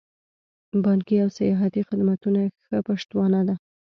بانکي او سیاحتي خدمتونه ښه پشتوانه ده.